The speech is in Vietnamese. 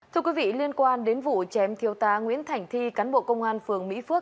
thưa quý vị liên quan đến vụ chém thiêu tá nguyễn thảnh thi cán bộ công an phường mỹ phước